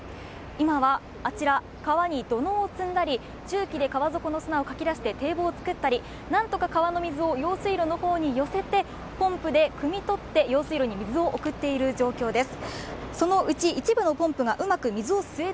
今はあちら、川に土のうを積んだり重機で川底の砂をかき出して堤防を作ったり何とか川の水を用水路の方に寄せてポンプで汲み取って用水路に水を送っている状況です。